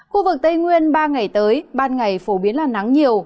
khu vực tây nguyên ba ngày tới ban ngày phổ biến là nắng nhiều